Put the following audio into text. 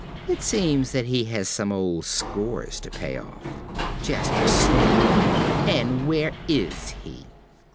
It seems that he has some old scores to pay off. ~Jasper~ (sneeringly). And where is he?